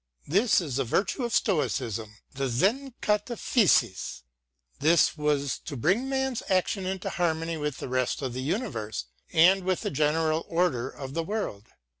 This was the virtue of Stoicism, the Znv Kara f^vaiv — this was to bring man's action into harmony with the rest of the universe and with the general order of the world.